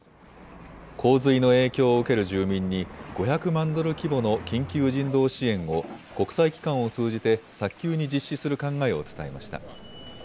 洪水の影響を受ける住民に、５００万ドル規模の緊急人道支援を国際機関を通じて早急に実施する考えを伝えました。